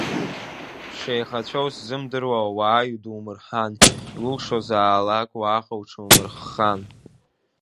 Шәшеиӷацәоу ззымдыруа ауаа идумырҳан, иулшозаалак, уаҟа уҽумырххан…